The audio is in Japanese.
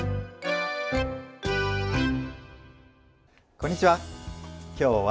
こんにちは。